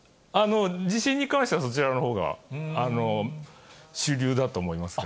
地震に関しては、そちらのほうが主流だと思いますが。